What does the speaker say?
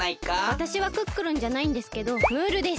わたしはクックルンじゃないんですけどムールです。